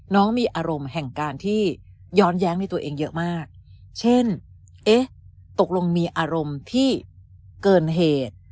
น้องมีอารมณ์แห่งการที่ย้อนแย้งในตัวเองเยอะมากเช่นเอ๊ะตกลงมีอารมณ์ที่เกินเหตุ